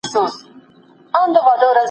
خلک به په راتلونکي کي دا ناوړه کار پريږدي.